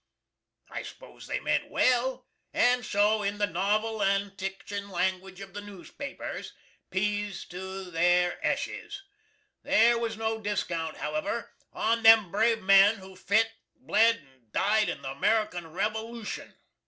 I spose they ment well, and so, in the novel and techin langwidge of the nusepapers, "peas to their ashis." Thare was no diskount, however, on them brave men who fit, bled and died in the American Revolushun.